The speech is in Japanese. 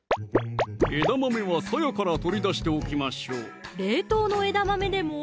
枝豆はさやから取り出しておきましょう冷凍の枝豆でも？